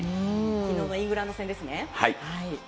昨日のイングランド戦ですね。